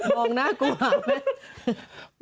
มองนากูฮาแมน